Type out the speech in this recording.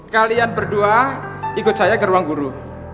kalian berdua ikut saya ke ruang guru